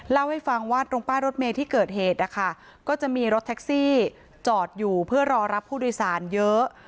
เล่าให้ฟังว่าตรงป้ายรถเมย์ที่เกิดเหตุนะคะก็จะมีรถแท็กซี่จอดอยู่เพื่อรอรับผู้โดยสารเยอะ